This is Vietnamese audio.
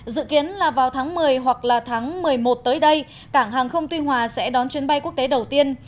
dự kiến là vào tháng một mươi hoặc là tháng một mươi một tới đây cảng hàng không tuy hòa sẽ đón chuyến bay quốc tế đầu tiên